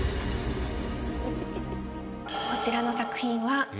こちらの作品は。